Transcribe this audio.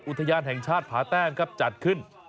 อุทยานแห่งชาติผาแต้มครับจัดขึ้น